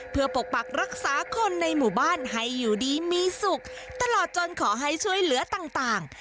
เพื่อปกปักรักษาคนในหมู่บ้านให้อยู่ดีมีสุขตลอดจนขอให้ช่วยเหลือต่าง